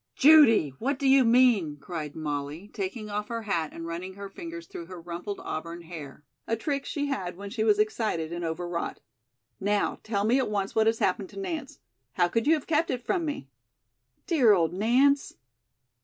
"Judy, what do you mean?" cried Molly, taking off her hat and running her fingers through her rumpled auburn hair, a trick she had when she was excited and overwrought. "Now, tell me at once what has happened to Nance. How could you have kept it from me? Dear old Nance!"